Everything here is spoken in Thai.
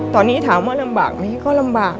ตอนนี้ถามว่าลำบากไหมก็ลำบาก